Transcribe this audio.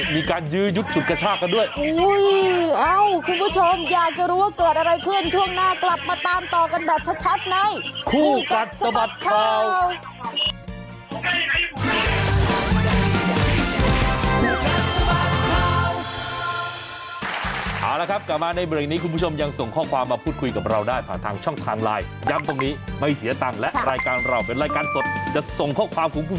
มีการยื้อยุบฉุดกระชากันด้วย